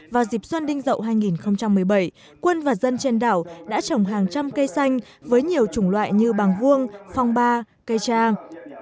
vào dịp xuân đinh rậu hai nghìn một mươi bảy quân và dân trên đảo đã trồng hàng trăm cây xanh với nhiều chủng loại như bàng vuông phong ba cây trang